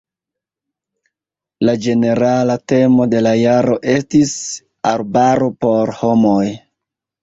La ĝenerala temo de la jaro estis "Arbaro por homoj".